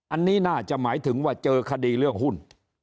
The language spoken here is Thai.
อันนี้น่าจะหมายถึงว่าเจอคดีเรื่องหุ้น